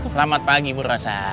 selamat pagi murasa